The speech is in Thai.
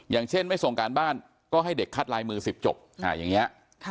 อย่างเช่นไม่ส่งการบ้านก็ให้เด็กคัดลายมือ๑๐จบอย่างนี้